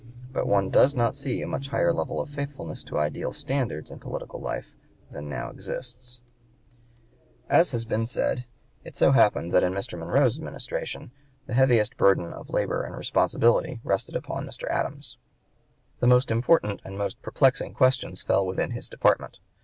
But one does not see a much higher level of faithfulness to ideal standards in political life than now exists. [Illustration: Wm. H. Crawford.] As has been said, it so happened that in Mr. Monroe's (p. 108) administration the heaviest burden of labor and responsibility rested upon Mr. Adams; the most important and most perplexing questions fell within his department.